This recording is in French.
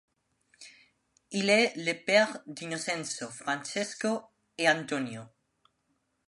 Il est le père d'Innocenzo, Francesco et Antonio.